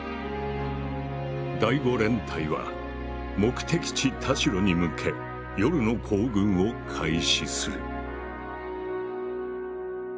第５連隊は目的地・田代に向け夜の行軍を開始する。